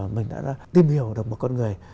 mình đã tìm hiểu được một con người